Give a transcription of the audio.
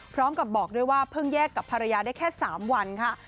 พร้อมกับบอกด้วยว่าเพิ่งแยกกับภรรยาได้แค่๓วันค่ะ